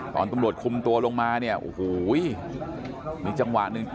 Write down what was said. ตอนตำรวจคุมตัวลงมาเนี่ยโอ้โหมีจังหวะหนึ่ง